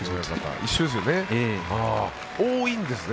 一緒ですよね。